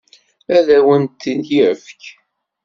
Ad awen-t-yefk?